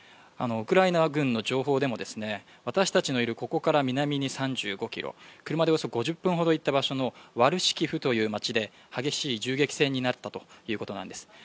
ウクライナ軍の情報でも、私たちのいるここから南に３５ｋｍ、車でおよそ５０分ほど行った場所のワルシキフという町で激しい銃撃戦になったということなんです。